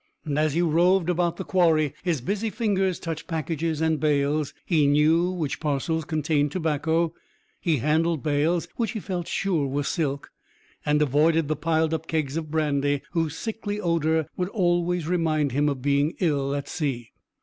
And, as he roved about the quarry, his busy fingers touched packages and bales; he knew which parcels contained tobacco; he handled bales which he felt sure were silk, and avoided the piled up kegs of brandy, whose sickly odour would always remind him of being ill at sea.